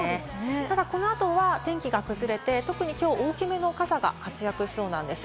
ただこの後は天気が崩れて、特にきょう大きめの傘が活躍しそうなんです。